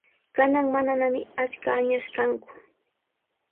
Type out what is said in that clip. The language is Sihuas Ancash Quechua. Kanan mananami achka añas kanku.